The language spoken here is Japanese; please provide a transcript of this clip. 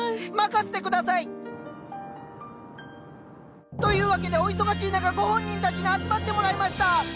任せて下さい！というわけでお忙しい中ご本人たちに集まってもらいました！